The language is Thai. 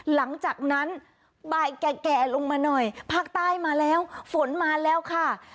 หลังจากนั้นบ่ายแก่ลงมาหน่อยภาคใต้มาแล้วฝนมาแล้วค่ะ